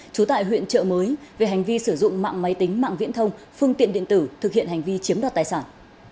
trú tại huyện trợ mới về hành vi sử dụng mạng máy tính mạng viễn thông phương tiện điện tử thực hiện hành vi chiếm đoạt tài sản